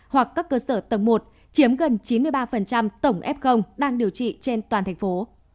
hoặc các cơ sở tầng một chiếm gần chín mươi ba tổng f đang điều trị trên toàn thành phố